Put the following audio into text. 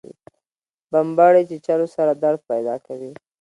بمبړې چیچلو سره درد پیدا کوي